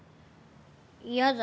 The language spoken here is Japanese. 嫌だ。